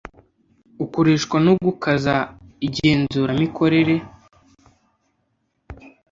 ukoreshwa no gukaza igenzuramikorere